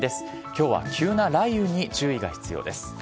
きょうは急な雷雨に注意が必要です。